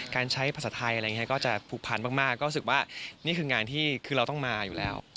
ใช้ภาษาไทยอะไรอย่างนี้ก็จะผูกพันมากก็รู้สึกว่านี่คืองานที่คือเราต้องมาอยู่แล้ว